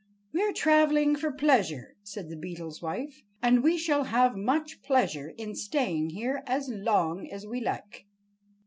"We're traveling for pleasure," said the Beetle's wife, "and we shall have much pleasure in staying here as long as we like."